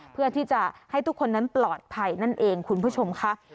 เพื่อที่จะให้ทุกคนนั้นปลอดภัยนั่นเองคุณผู้ชมค่ะ